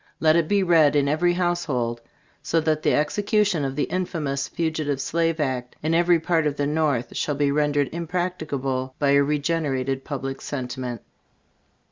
Let it be read in every household, so that the execution of the infamous Fugitive Slave Act, in every part of the North, shall be rendered impracticable by a regenerated public sentiment.